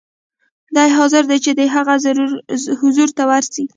دی حاضر دی چې د هغه حضور ته ورسي.